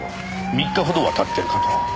３日ほどは経ってるかと。